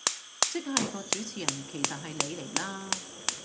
即係個主持人其實係你嚟啦